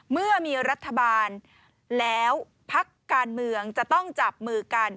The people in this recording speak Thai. เมื่อมีรัฐบาลแล้วพักการเมืองจะต้องจับมือกัน